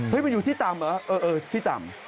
มันอยู่ที่ต่ำเหรอเออที่ต่ำ